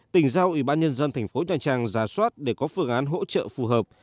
tỉnh giao ủy ban nhân dân thành phố nhà trang ra soát để có phương án hỗ trợ phù hợp